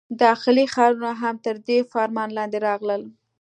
داخلي ښارونه هم تر دې فرمان لاندې راغلل.